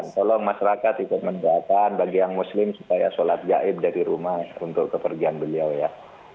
tolong masyarakat ikut mendoakan bagi yang muslim supaya sholat gaib dari rumah untuk kepergian beliau ya